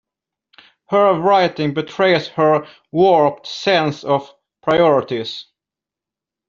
Her writing betrays her warped sense of priorities.